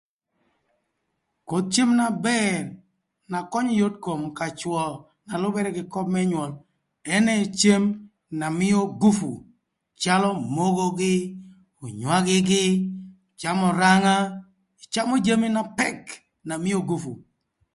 Koth cem na bër na yot kom ka cwö na lübërë kï köp më nywöl ënë cem na mïö gupu calö mogogï, önywagï-gï̧ ï camö öranga, ïcamö jami na pëk na mïö gupu.